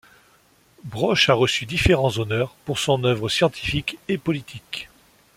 Broch a reçu différents honneurs pour son œuvre scientifique et politique.